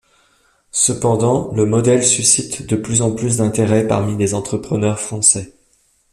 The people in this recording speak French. Cependant, le modèle suscite de plus en plus d’intérêt parmi des entrepreneurs français.